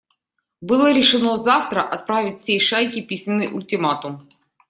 Было решено завтра отправить всей шайке письменный ультиматум.